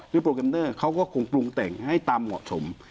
โปรแกรมเนอร์เขาก็คงปรุงแต่งให้ตามเหมาะสม